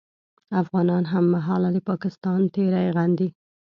افغانان هممهاله د پاکستان تېری غندي